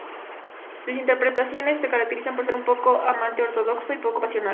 Sus interpretaciones se caracterizan por ser un amante ortodoxo y poco pasional.